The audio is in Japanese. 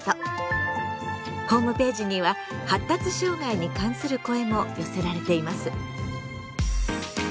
ホームページには「発達障害」に関する声も寄せられています。